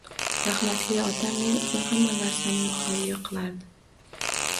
Rahmatli otam men uchun hamma narsani muhayyo qilardi